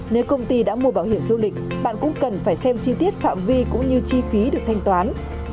nếu công ty đã mua bảo hiểm du lịch bạn cũng cần phải xem chi tiết phạm vi cũng như chi phí được thanh toán